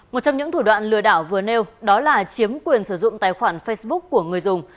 một trong những thủ đoạn lừa đảo vừa nêu đó là chiếm quyền sử dụng tài khoản facebook của người dùng